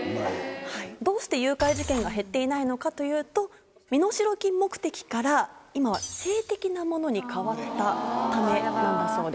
どうして誘拐事件が減っていないのかというと身代金目的から今は性的なものに変わったためなんだそうです。